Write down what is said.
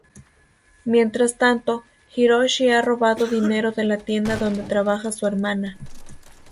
Mientras tanto, Hiroshi ha robado dinero de la tienda donde trabaja su hermana.